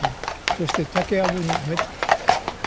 そして竹やぶに埋めたというんです。